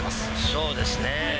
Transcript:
そうですね。